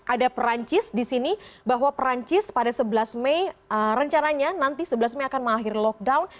ada perancis di sini bahwa perancis pada sebelas mei rencananya nanti sebelas mei akan mengakhiri lockdown